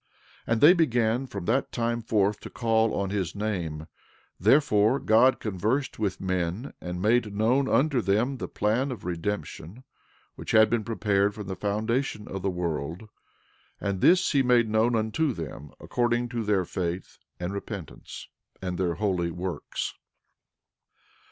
12:30 And they began from that time forth to call on his name; therefore God conversed with men, and made known unto them the plan of redemption, which had been prepared from the foundation of the world; and this he made known unto them according to their faith and repentance and their holy works.